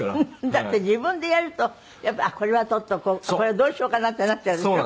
だって自分でやるとやっぱりあっこれは取っておこうこれはどうしようかなってなっちゃうでしょ。